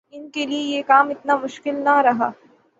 ان کیلئے یہ کام اتنا مشکل نہ رہا۔